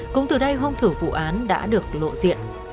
cũng từ đây hông thử vụ án đã được lộ diện